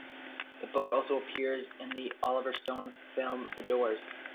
The book also appears in the Oliver Stone film "The Doors".